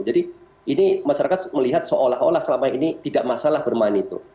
jadi ini masyarakat melihat seolah olah selama ini tidak masalah bermain itu